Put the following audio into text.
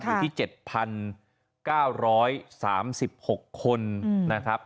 อยู่ที่๗๙๓๖คนนะครับ